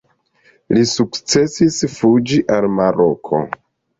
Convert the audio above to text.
Li sukcesis fuĝi al Maroko.